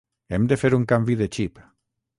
Hem de fer un canvi de xip.